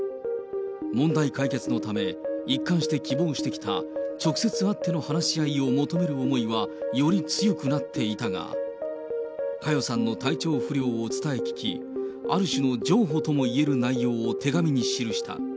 問題解決のため、一貫して希望してきた、直接会っての話し合いを求める思いはより強くなっていたが、佳代さんの体調不良を伝え聞き、ある種の譲歩とも言える内容を手紙に記した。